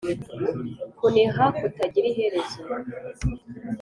kuniha kutagira iherezo,